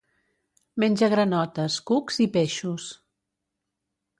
Menja granotes, cucs i peixos.